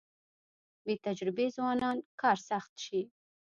بې تجربې ځوانان کار سخت شي.